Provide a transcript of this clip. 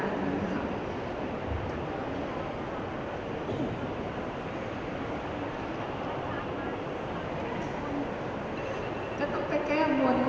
ก็ต้องไปแก้อังวลค่ะ